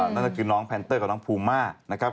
นั่นก็คือน้องแพนเตอร์กับน้องภูมิมานะครับ